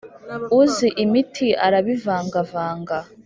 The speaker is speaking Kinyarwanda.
uzi imiti arabivangavanga.